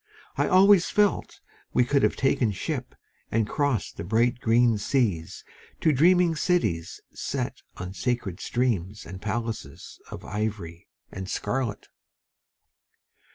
I always felt we could have taken ship And crossed the bright green seas To dreaming cities set on sacred streams And palaces Of ivory and scarlet.